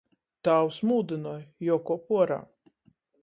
Tāvs mūdynoj — juokuop uorā.